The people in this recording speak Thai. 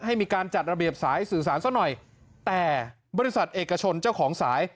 ให้มีการจัดระเบียบสายสื่อสารซะหน่อยแต่บริษัทเอกชนเจ้าของสาย